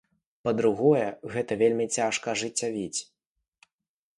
Па-другое, гэта вельмі цяжка ажыццявіць.